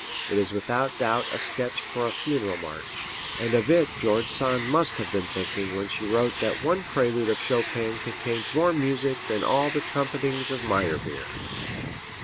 It is without doubt a sketch for a funeral march, and of it George Sand must have been thinking when she wrote that one prelude of Chopin contained more music than all the trumpetings of Meyerbeer.